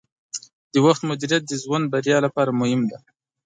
د وخت مدیریت د ژوند بریا لپاره مهم دی.